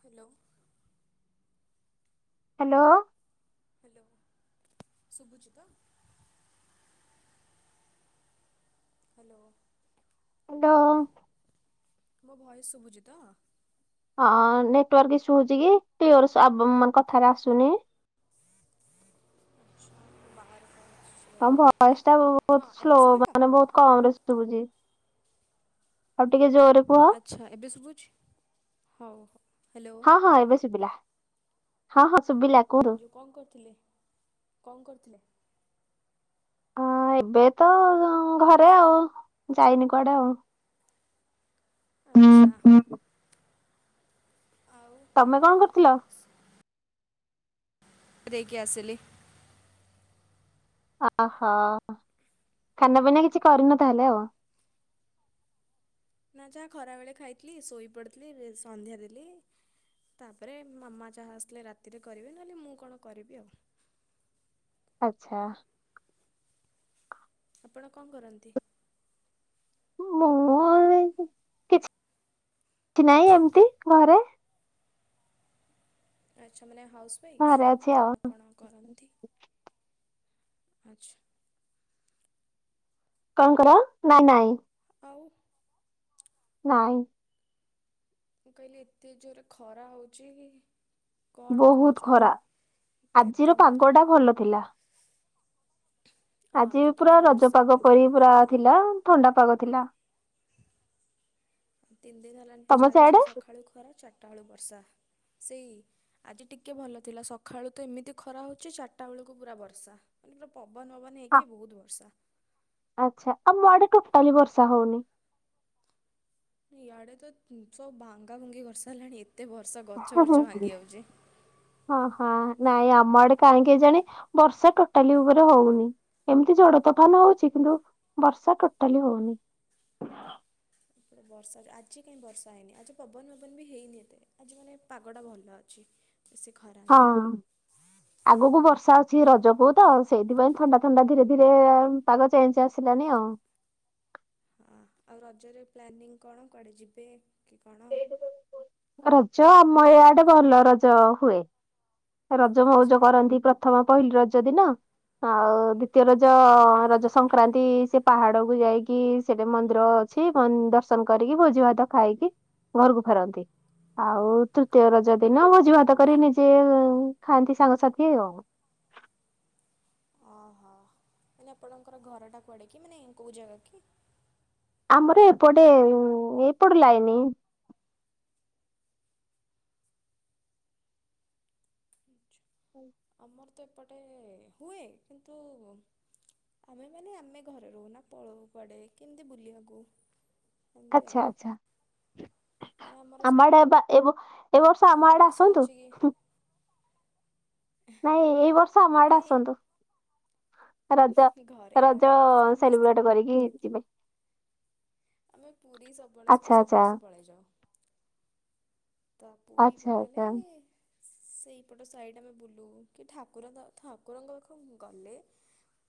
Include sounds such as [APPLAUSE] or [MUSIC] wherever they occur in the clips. Hello hello hello ଶୁଭୁଛି ତ hello hello ମୋ ଭଏସ୍ ଶୁଭୁଛି ତ ହଁ ନେଟୱାର୍କ ଇସୁ ହଉଛି କି କ୍ଲିୟର୍ ଆବ କଥାଟା ଆସୁନି ଅଛ ବାହାରେ କଣ ଅଛି? ତମ ଭୟସ୍ ଟା ବହୁତ ସ୍ଲୋ ମାନେ ବହୁତ କମ୍ ରେ ଶୁ ଶୁଭୁଛି ଆଉ ଟିକେ ଜୋର୍ ରେ ଆଚ୍ଛା ଏବେ ଶୁଭୁଛି ହଉ ହଉ ହ୍ୟାଲୋ ହଁ ଏବେ ଶୁଭିଲା ହଁ ହଁ ଶୁଭିଲା କୁହନ୍ତୁ। ଯୁ କଣ କରୁଥିଲେ କଣ କରୁଥିଲେ ହଁ ଏବେ ତ ଘରେ ଆଉ ଯାଇନି କୁଆଡେ ଆଉ ଆଚ୍ଛା ଆଉ। ତମେ କଣ କରୁଥିଲ। ଫେରେଇକି ଆସିଲି। ଅ ହ ଖାନାପିନା କିଛି କରିନ ତାହେଲେ ଆଉ। ନା ଯାହା ଖରା ବେଳେ ଖାଇଥିଲି ଶୋଇ ପଡିଥିଲି ସନ୍ଧ୍ୟା ଦେଲି। ତାପରେ ମାମା ଯାହା ଆସିଲେ ରାତିରେ କରିବେ ନହେଲେ ମୁଁ କଣ କରିବି ଆଉ। ଆଚ୍ଛା। ଆପଣ କଣ କରନ୍ତି। ମୁଁ ଏ କିଛି ନାହିଁ ଏମିତି ଘରେ। ଆଚ୍ଛା ମାନେ ହାଉସୱଇଫ୍ ଘରେ ଅଛି ଆଉ ନା କଣ କରନ୍ତି। ଆଚ୍ଛା। କଁ କର ନା ନାଇଁ। ଆଉ। ନାଇଁ। ମୁଁ କହିଲି ଏତେ ଜୋରେ ଖରା ହଉଛି। କଣ ବହୁତ କରୁଛନ୍ତି ଖରା ଏତେ ଆଜିର ଡିନର୍। ପାଗ ଟା ଭଲ ଥିଲା। ଆଜି ପୁରା ଟିକେ ରଜ ବର୍ଷା ପାଗ ଉଠାଇଥିଲା। ପରି ପୁରା ଥିଲା ଥଣ୍ଡା ପାଗ ଥିଲା। ତିନି ଦିନ ହେଲାଣି ତ ତମ ଚାଲିଚ ସିଆଡେ? ସକାଳୁ ଖରା ଚାରିଟା ବେଳୁ ବର୍ଷା। ସେଇ। ଆଜି ଟିକେ ଭଲ ଥିଲା ସକାଳୁ ତ ଏମିତି ଖରା ହଉଛି ଚାରିଟା ବେଳକୁ ପୁରା ବର୍ଷା। ମାନେ ପୁରା ପବନ ପବନ ହେଇକି ବହୁତ ବର୍ଷା। ଆଚ୍ଛା ଆମ ଆଡେ ଟୋଟାଲି ବର୍ଷା ହଉନି। ଇଆଡେ ତ ସବୁ ଭାଙ୍ଗା ଭାଙ୍ଗି କରିସାରିଲାଣି ଏତେ ବର୍ଷା ଗଛ ବଛ ଭାଙ୍ଗି ଯାଉଛି। ହଁ ହଁ ନାଇଁ ଆମ ଆଡେ କାହିଁ ଏ କୃଜାଣି ବର୍ଷା ଟୋଟାଲି ଉପରେ ହଉନି। ଏମିତି ଜଡ ତୋଫାନ ହଉଛି କିନ୍ତୁ ବର୍ଷା ଟୋଟାଲି ହଉନି। ଏପଟା ବର୍ଷା ଆଜି କାହିଁ ବର୍ଷା ହେଇନି ଆଜି ପବନ ଫବନ ବି ହେଇନି ଏତେ ଆଜି ମାନେ ପାଗଟା ଭଲ ଅଛି। ବେଶୀ ଖରା ହଁ। ନାହିଁ। ଆଗକୁ ବର୍ଷା ଅଛି ରଜକୁ ତ ସେଇଥିପାଇଁ ଥଣ୍ଡା ଥଣ୍ଡା ଧୀରେ ଧୀରେ। ପାଗ ଚେଞ୍ଜ ଆସିଲାନି ଆଉ। ହଁ ଆଉ ରଜରେ ପ୍ଲାନିଂ କଣ କୁଆଡ଼େ ଯିବେ କି କଣ। ରଜ ଆମ ଇଆଡେ ଭଲ ରଜ ହୁଏ। ରଜ ମଉଜ ଆଚ୍ଛା। କରନ୍ତି ପ୍ରଥମ ପହିଲି ରଜ ଦିନ ଆଉ ଦ୍ଵିତୀୟ ରଜ ରଜ ସ ସଂକ୍ରାନ୍ତି ସେ ପାହାଡକୁ ଯାଇକି ସେଠି ମନ୍ଦିର ଅଛି ଦର୍ଶନ କରିକି ଭୋଜି ଭାତ ଖାଇକି। ଘରକୁ ଫେରନ୍ତି ଆଉ ତୃତୀୟ ରଜ ଦିନ ଭୋଜି ଭାତ କରି ନିଜେ। ଖାଆନ୍ତି ସାଙ୍ଗସାଥି ଆଉ। ଓହୋ ମାନେ ଆପଣଙ୍କର ଘରଟା କୁଆଡ଼େ କି ମାନେ କେଉ ଜାଗା କି। ଆମର ଏପଟେ ଏପଟ ଲାଇନି। ଆଛା। [INAUDIBLE] ଆମର ତ ଏପଟେ ହୁଏ କିନ୍ତୁ। ଆରେ ମାନେ ଆମେ ଘରେ ରହୁ ନା ପଳଉ କୁଆଡେ କେମିତି ବୁଲିବାକୁ। ଏମିତି ଆଉ। ଆଛା ଆଛା ମାନେ ଆମର ଆମ ଆଡେ ଅବା ଏବ। ଏ ବର୍ଷ ସବୁ ଆମ ଆଡେ ଆସନ୍ତୁ। ଅଛି କି ନାଇଁ ଏଇ ବର୍ଷ ଆମ ଆଡେ ଆସନ୍ତୁ। ମାନେ ରଜ ଘରେ ରଜ ସମସ୍ତେ ସେଲିବ୍ରେଟ କରିକି ଯିବେ। ଆମେ ପୁରୀ ସବୁ ବେଳେ ଆଚ୍ଛା ସବୁ ଆଚ୍ଛା ବର୍ଷ ପଳେଇଯାଉ। ତ ପୁରୀ ଆଚ୍ଛା ପଳେଇଲେ ଆଚ୍ଛା। ସେଇପଟ ସାଇଡ୍ ଆମେ ବୁଲୁ କି ଠାକୁର ଦ ଠାକୁରଙ୍କ ପାଖକୁ ଗଲେ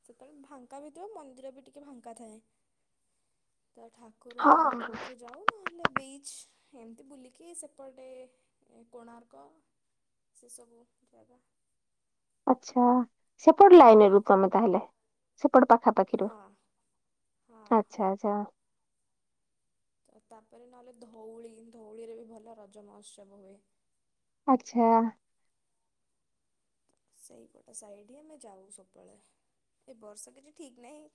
ସେତେବେଳେ ଫାଙ୍କା ଭି ଥିବ ମନ୍ଦିର ବି ଟିକେ ଫାଙ୍କା ଥାଏ ତ ଠା ହଁ ଠାକୁରଙ୍କ ପାଖକୁ ଯାଉ ନହେଲେ ବିଚ୍ ଏମିତି ବୁଲିକି ସେ ପଟେ କୋଣାର୍କ ସେସବୁ ଜାଗା ଆଚ୍ଛା, ସେପଟ ଲାଇନ୍ ରୁ ତମେ ତାହେଲେ। ସେପଟ ପାଖାପାଖିରୁ ହଁ ହଁ ହଁ ଆଛା ଆଛା। ତାପରେ ନହେଲେ ଧଉଳି ଧଉଳିରେ ବି ଭଲ ରଜ ମହୋତ୍ସବ ହୁଏ। ଆଚ୍ଛା। ସେଇପଟ ସାଇଡ୍ ହି ଆମେ ଯାଉ ସବୁବେଳେ। ଏ ବର୍ଷ କିଛି ଠିକ୍ ନାହିଁ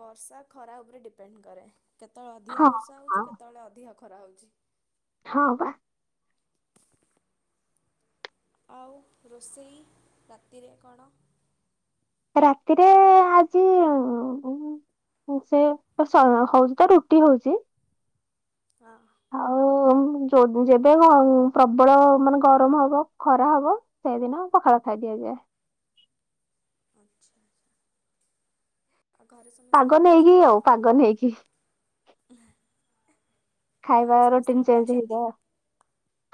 ବର୍ଷା ଖରା ଉପରେ ଡିପେଣ୍ଡ କରେ। କେତେବେଳେ ଅଧିକା ହଁ। ବର୍ଷା ହଁ ହେଉଛି କେତେବେଳେ ଅଧିକ ଖରା ହେଉଛି। ହଁ ପା। ଆଉ ରୋଷେଇ ରାତିରେ କଣ? ରାତିରେ ଆଜି ଉନ୍ ଉ ସେ ସ ହଉଛି ତ ରୁଟି ହଉଛି। ହଁ। ହୁଁ ଜୋ ଯେବେ ପ୍ରବଳ ମାନେ ଗରମ ହବ, ଖରା ହବ ସେଇଦିନ ପଖାଳ ଖାଇ ଦିଆଯାଏ। ଆଚ୍ଛା, ଆଚ୍ଛା। ପାଗ ନେଇକି ଆଉ ପାଗ ନେଇକି। ଖାଇବା ଘରେ ସମସ୍ତେ ରୋଟିନ ଭଲ ଚେଞ୍ଜ ଅଛନ୍ତି? ହେଇଯାଏ।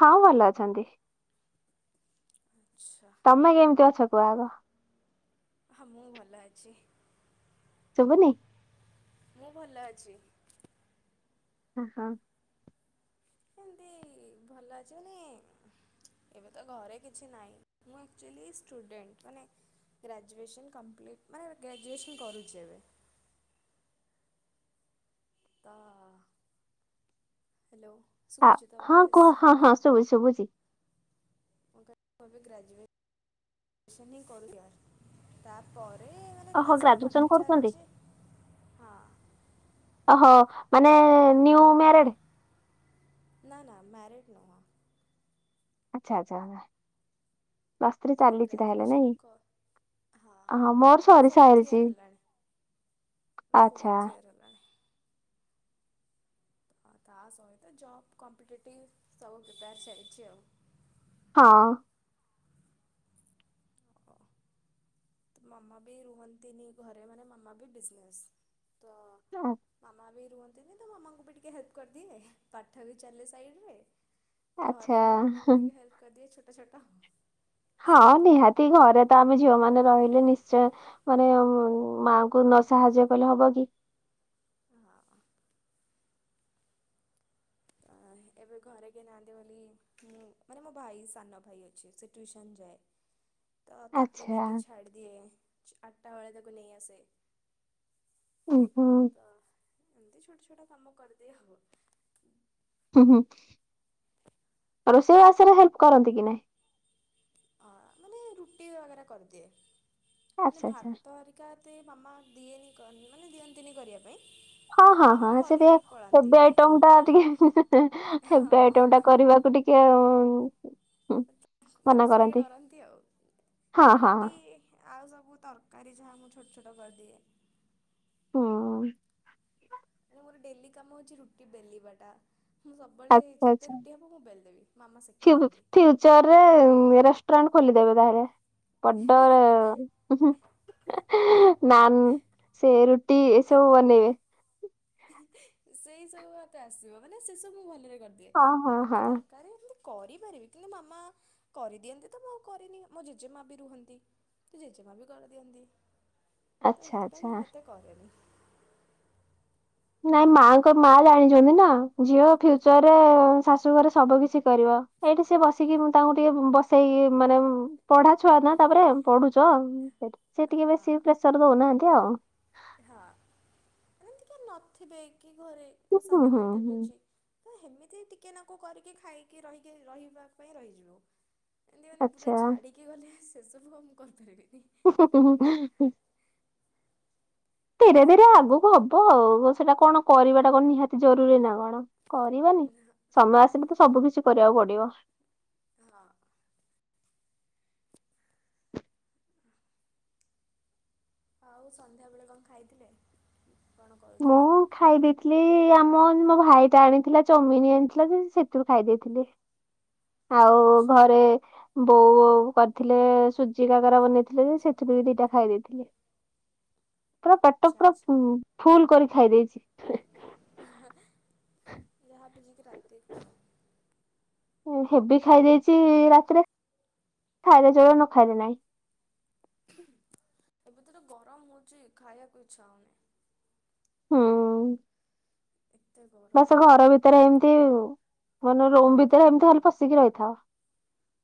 ହଁ ଭଲ ଅଛନ୍ତି। ଆଚ୍ଛା। ତମେ କେମିତି ଅଛ କୁହ ଆଗ? ହଁ ମୁଁ ଭଲ ଅଛି। ଶୁବୁନି? ମୁଁ ଭଲ ଅଛି। ହଁ, ହଁ। ଏମିତି ଭଲ ଅଛି [UNINTELLIGIBLE] ଏବେ ତ ଘରେ କିଛି ନାହିଁ ମୁଁ ଆକଚୁଆଲି ଷ୍ଟୁଡେଣ୍ଟ ମାନେ ଗ୍ରାଜୁଏସନ୍ କମ୍ପ୍ଲିଟ୍ ମାନେ ଗ୍ରାଜୁଏସନ୍ କରୁଛି ଏବେ। ତ ହ୍ୟାଲୋ। ଅ ଶୁଭୁଛି ତ ହଁ ଭଏସ୍ କୁହ ହଁ ହଁ ଶୁଭୁଛି ଶୁଭୁଛି। [UNINTELLIGIBLE] ଗ୍ରାଜୁଏଟ [UNINTELLIGIBLE] ତାପରେ ତା ଓହୋ ସହିତ ଗ୍ରାଜୁଏସନ ପାଠ କରୁଛନ୍ତି? ଚାଲିଛି ହଁ। ଓହୋ ମାନେ ନିଉ ମ୍ୟାରେଡ? ନା ନା ମ୍ୟାରେଡ଼ ନୁହଁ। ଆଚ୍ଛା, ଆଚ୍ଛା। ପ୍ଲସ୍ ଥ୍ରୀ ମାନେ ଚାଲିଛି ତାହେଲେ ଗ୍ରାଜୁଏସନ୍ ନାଇଁ? କ ହଁ ମୋର ଏଇ ସରି ଫୋର୍ଥ ସାରିଛି ଇୟର ହେଲାଣି। ତୋର ଆଚ୍ଛା ଫୋର୍ଥ ଇୟର ହେଲାଣି? ଆ ତା ସହିତ ଜବ୍ କମ୍ପିଟେଟିଭ୍ ସବୁ ପ୍ରିପେୟାର ଚାଲିଚି ଆଉ। ହଁ। ଓହୋ ମାମା ବି ରୁହନ୍ତିନି ଘରେ ମାନେ ମାମା ବି ବିଜନେସ୍ ତ ଆ- ମାମା ବି ରୁହ ନ୍ତିନି ତ ମାମାଙ୍କୁ ବି ଟିକେ ହେଲ୍ପ କରିଦିଏ ପାଠ ବି ଚାଲେ ସାଇଡରେ ଘରେ ଆଚ୍ଛା। ବି ମାମାଙ୍କୁ ଟିକେ ହେଲ୍ପ କରିଦିଏ ଛୋଟ ଛୋଟ। ହଁ ସେମିତି ନିହାତି ଘରେ ତ ଆମେ ଝିଅ ମାନେ ରହିଲେ ନିଶ୍ଚୟ ମାନେ ମାଙ୍କୁ ନ ସାହାଯ୍ୟ କଲେ ହବ କି ଏ ହଁ ତ ଏବେ ଘରେ କେହି ନାହାନ୍ତି ବୋଲି ମୁଁ ମାନେ ମୋ ଭାଇ ସାନ ଭାଇ ଅଛି ସେ ଟ୍ୟୁସନ୍ ଯାଏ। [INAUDIBLE] ତ ତାକୁ ଆଚ୍ଛା। ନେଇକି ଛାଡିଦିଏ ଛୁ ଆଠଟା ବେଳେ ତାକୁ ନେଇ ଆସେ। ଉଁ ହୁଁ। ତ ଏମିତି ଛୋଟ ଛୋଟ କାମ କରିଦିଏ ଆଉ। ହୁଁ ହୁଁ ଆ ରୋଷେଇ ଆଷ ରେ ହେଲ୍ପ କରନ୍ତି କି ନାଇଁ? ଅଁ ମାନେ ରୁଟି ବଗରା କରିଦିଏ ମାନେ ଆଚ୍ଛା ଆଚ୍ଛା। ଭାତ ହରି କା ଏତେ ମାମା ଦିଏନି କରନି ମାନେ ଦିଅନ୍ତିନି କରିବା ପାଇଁ। ହଁ ହଁ ମାମା ହଁ ସେ କରିକି ଟିକେ ପଳାନ୍ତି ହେଭୀ ଆଇଟମଟା ଟିକେ ହେଁ ହେଁ ହେଁ ହଁ। ହେଭୀ ଆଇଟମ ଟା କରିବାକୁ ଟିକେ ଉଁ ମାନେ ସେ ଟିକେ ଡରନ୍ତି ହଁ ଆଉ ହଁ ରୁଟି ଆଉ ସବୁ ତରକାରୀ ଯାହା ମୁଁ ଛୋଟ ଛୋଟ କରିଦିଏ। ହୁଁ। ହେଲେ ମୋର ଡେଲି କାମ ହଉଚି ରୁଟି ବେଲିବାଟା। ମୁଁ ସବୁବେଳେ ଆଚ୍ଛା ଯେତେ ଆଚ୍ଛା। ରୁଟି ହବ ମୁଁ ବେଲି ଦେବି ମାମା ସେକି ଦିଅନ୍ତି। ଚରେ ମେ ରେଷ୍ଟୁରାଣ୍ଟ ଖୋଲିଦେବେ ବାହେରେ ବଡ ର ହୁଁହୁଁ ଏହେ ନାନ୍ ସେ ରୁଟି ଏସବୁ ବନେଇବେ। ସେଇ ସବୁ ମତେ ଆସିବ ମାନେ ସେସବୁ ମୁଁ ଭଲରେ କରିଦିଏ ହଁ ହଁ ଆଉ ହଁ ଏମତି ତରକା ରୀ ଏମତି କରିପାରିବି କିନ୍ତୁ ମାମା କରିଦିଅନ୍ତି ତ ମୁଁ ଆଉ କରିନି ମୋ ଜେଜେମା ବି ରୁହନ୍ତି ତୁ ଜେଜମା ବି କରଦିଅନ୍ତି ତ ଆଚ୍ଛା ହେଥିପାଇଁ ଆଚ୍ଛା। ମୁଁ ଆ ଏତେ କରେନି। ନାଇଁ ମାଙ୍କ ମା ଜାଣିଚନ୍ତି ନା ଝିଅ ଫ୍ୟୁଚରରେ ଶାଶୁଘରେ ସବୁ କିଛି କରିବ। ଏଇଠି ସିଏ ବସିକି ମୁଁ ତାଙ୍କୁ ଟିକେ ବସେଇକି ମାନେ ପଢା ଛୁଆ ନା ତାପରେ ପଢୁଚ ସେଟ୍ ସେ ଟିକେ ହଁ ବେଶୀ ପ୍ରେସର ଦଉନାହାନ୍ତି ଆଉ। ହଁ ଏମତି କିଏ ନଥିବେ କି ଘରେ ହୁଁ ମୋ ସାନ ହୁଁ ଭାଇ ଟା ହୁଁ ବି ଅଛି ତ ହେମିତି ଟିକେ ନାକୁ କରିକି ଖାଇକି ରହିକି ରହିବା ପାଇଁ ରହିଯିବୁ। ଏମିତି ମାନେ ପୁରା ଆଚ୍ଛା। ଛାଡିକି ଗଲେ ସେସବୁ ଆଉ ମୁଁ କରିପାରିବିନି। ହେଁ ହେଁ ହେଁ ହେଁ ହୁଁ ଧିରେ ଧିରେ ସେମିତି। ଆଗକୁ ହବ ଆଉ ସେଇଟା କଣ କରିବାଟା କଣ ନିହାତି ଜରୁରୀ ନା କଣ କରିବାନି ସମୟ ଆସିଲେ ତ ସବୁ କିଛି କରିବାକୁ ପଡିବ। ହଁ। [INAUDIBLE] ଆଉ ସନ୍ଧ୍ୟାବେଳେ କଣ ଖାଇଥିଲେ କଣ କରୁଥିଲେ? ମୁଁ ଖାଇ ଦେଇଥିଲି ଆମ ମୋ ଭାଇ ଟା ଆଣିଥିଲା ଚଉମିନି ଆଣିଥିଲା ଯେ ସେଥିରୁ ଖାଇ ଦେଇଥିଲି। ଆଉ ଆଚ୍ଛା ଘରେ ବୋଉ ଆଉ କରିଥିଲେ ସୁଜି କାକରା ବନେଇଥିଲେ ସେଥିରୁ ବି ଦିଟା ଖାଇ ଦେଇେଥିଲି। [INAUDIBLE] ପୁରା ପେଟ ଆଚ୍ଛା ପୁରା ଆଚ୍ଛା। ଫୁଲ୍ କରି ଖାଇ ଦେଇଛି। [UNINTELLIGIBLE] ରାତି ହେବି ଖାଇ ଦେଇଛି ରାତିରେ ଖାଇଲେ ଜ୍ୱର ନ ଖାଇଲେ ନାଇଁ ଏବେ ତ ତ ଗରମ ହଉଚି ଖାଇବାକୁ ଇଚ୍ଛା ହଉନି। ହୁଁ ଏତେ ଗ ସେ ଘର ଭିତରେ ଏମିତି ମାନେ ରୁମ୍ ଭିତରେ ଏମିତି ଖାଲି ପଶିକି ରହିଥା,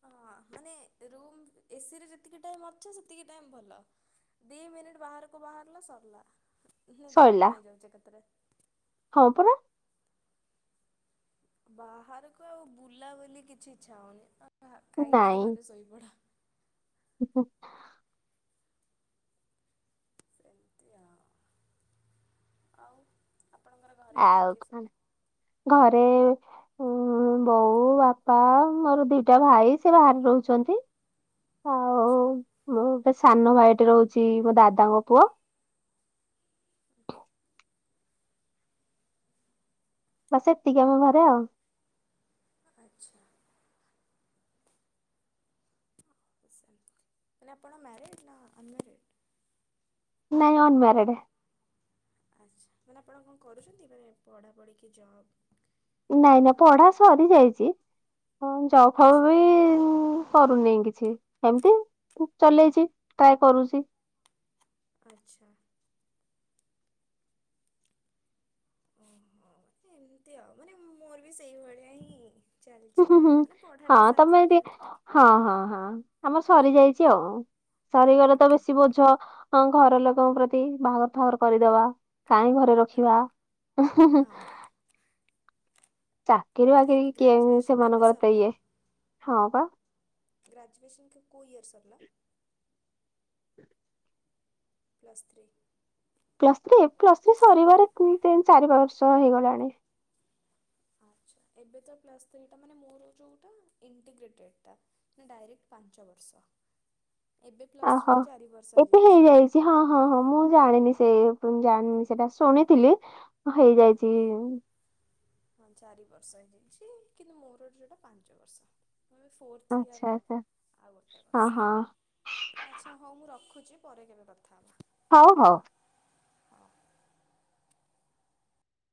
ହଁ ମାନେ ରୁମ୍ ଏସି ରେ ଯେତିକି ଟାଇମ୍ ଅଛି ସେତିକି ଟାଇମ୍ ଭଲ ଦି ମିନିଟ୍ ବାହାରକୁ ବାହାରିଲ ସରିଲା ଦେହ ସଇଲା କଣ ହେଇଯାଉଛି ଏକା ତରେ ହଁ ପରା ବାହାରକୁ ଆଉ ବୁଲାବୁଲି କିଛି ଇଚ୍ଛା ହଉନି ଖାଇ ପିକିି ନାଇଁ ଘରେ ଶୋଇପଡ। [INAUDIBLE] ସେମିତି ଆଉ ଆଉ, ଆପଣଙ୍କର ଘରେ କିଏ ଆଉ କିଏ କଣ ସବୁ? ଘରେ ଉ ବୋଉ ବାପା ମୋର ଦିଟା ଭାଇ ସେ ବାହାରେ ରହୁଛନ୍ତି ହଁ ଆଛା ମୁଁ ଏ ସାନ ଭାଇ ଟେ ରହୁଛି ମୋ ଦାଦାଙ୍କ ପୁଅ ବା ସେତିକି ଆମ ଘରେ ଆଉ ଆଚ୍ଛା ମାନେ ଆପଣ ମ୍ୟାରଡ଼୍ ନା ଅନମ୍ୟାରେଡ ନାଇଁ ଅନମ୍ୟାରେଡ ଆଚ୍ଛା ମାନେ ଆପଣ କଣ କରୁଛନ୍ତି ମାନେ ପଢ଼ାପଢ଼ିିକି ଜବ୍ ନାଇଁ ନାଇଁ ନା ପଢା କଣ? ସରି ଯାଇଛି ହଁ ଜଵ ଫବ ଆଚ୍ଛା ବି କରୁନି କିଛି ଏମିତି ଚଲେଇଛି ଟ୍ରାଏ କରୁଛି। ଆଚ୍ଛା ଓହୋ ମାନେ ଏମତି ଆଉ ମାନେ ମୋର ବି ସେଇଭଳିଆ ହିଁ ହୁଁ ଚାଲିଛି ହୁଁ ହୁଁ ଆଉ ମାନେ ପଢ଼ାଟା ହଁ ତମେ ସାଥିରେ ଚାଲିଛି ଟିକେ ହଁ ହଁ ହଁ ଆମ ସରି ଯାଇଛି ଆଉ ସରିଗଲେ ତ ବେଶୀ ବୋଝ ହଁ ଘର ଲୋକଙ୍କ ପ୍ରତି ବାହାଘର ଫାଘର କରିଦବା କାହିଁ ରଖିବା ହଁ ହଁ ଚାକିରିୀ ମାନେ ବାକିରି କିଏ ଗ୍ରାଜୁଏସନ୍ କେବେ ସେମାନଙ୍କର ତ ସରିଲା? ଇଏ ହଁ ପା ଗ୍ରାଜୁଏସନ୍ କି କେବଉ ଇୟର ସରିଲା। Plus three plus three plus three ସରିବାରେ ତିନି ଚାରି ବର୍ଷ ହେଇଗଲାଣି। ଆଛା ଏବେ ତ ପ୍ଲସ ଥ୍ରି ଟା ମାନେ ମୋର ଯୋଉଟା ଇଣ୍ଟିଗ୍ରେଟେଡ ଟା ନା ଡାଇରେକ୍ଟ ପାଞ୍ଚ ବର୍ଷ ଏବେ ପ୍ଲସ ଥ୍ରୀ ଓହୋ ତ ଚାରି ବର୍ଷ ହେଇଯାଇଛି। ହଁ ହଁ ହଁ ମୁଁ ଜାଣିନି ସେ ଜାଣିନି ସେଟା ଶୁଣିଥିଲି। ହଁ ହେଇଯାଇଛି ହଁ ଚାରି ବର୍ଷ ହେଇଯାଇଛି କିନ୍ତୁ ମୋର ଯଉଟା ପାଞ୍ଚ ବର୍ଷ ତଁ ଏବେ ଫୋର୍ଥ ଆଚ୍ଛା ଇୟର ଆଚ୍ଛା ଆଉ ଗୋଟେ ହଁ ହଁ ବର୍ଷ ଆଚ୍ଛା ହଉ ମୁଁ ରଖୁଛି ପରେ କେବେ କଥା ହେବା? ହଉ ହଉ।